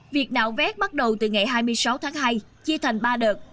việc nạo vét bắt đầu từ ngày hai mươi sáu tháng hai chia thành ba đợt